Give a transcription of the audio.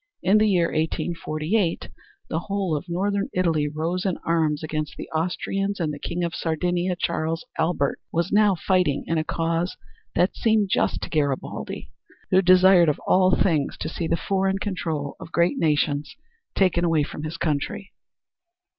In the year 1848 the whole of Northern Italy rose in arms against the Austrians, and the King of Sardinia, Charles Albert, was now fighting in a cause that seemed just to Garibaldi, who desired of all things to see the foreign control of great nations taken away from his country.